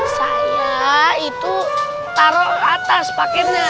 saya itu taruh atas paketnya